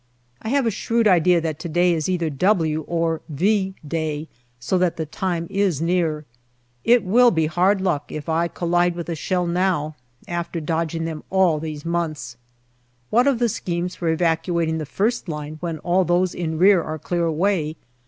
I have a shrewd idea that to day is either " W " or " V " day, so that the time is near. It will be hard luck if I collide with a shell now, after dodging them all these months. What of the schemes for evacuating the first line when all those in rear are clear away